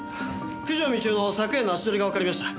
九条美千代の昨夜の足取りがわかりました。